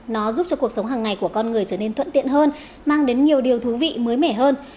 nó giúp cho cuộc sống hàng ngày của con người trở nên thuận tiện hơn mang đến nhiều điều thú vị mới mẻ hơn